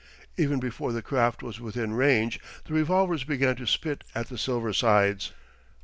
Even before the craft was within range, the revolvers began to spit at the Silver Sides.